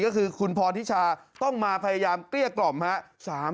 ก็คือขุนพรธิชาต้องมาพยายามกล้ากล่อม